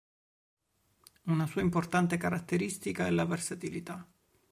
Una sua importante caratteristica è la versatilità.